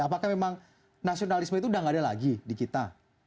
apakah memang nasionalisme itu udah nggak ada lagi di kita